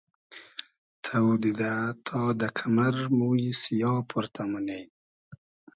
تۆ دیدۂ تا دۂ کئمئر مویی سیا پۉرتۂ مونی